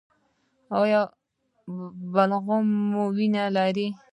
ایا بلغم مو وینه لري؟